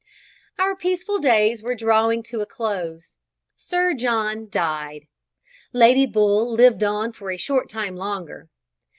Our peaceful days were drawing to a close. Sir John died. Lady Bull lived on for a short time longer.